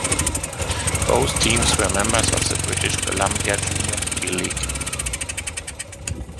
Both teams were members of the British Columbia Junior Hockey League.